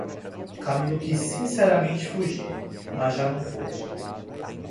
Camilo quis sinceramente fugir, mas já não pôde.